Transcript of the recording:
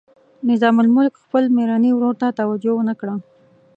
نظام الملک خپل میرني ورور ته توجه ونه کړه.